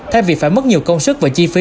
thay vì phải mất nhiều công sức và chi phí